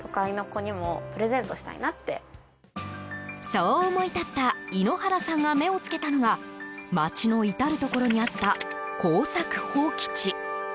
そう思い立った猪原さんが目をつけたのが町の至るところにあった耕作放棄地。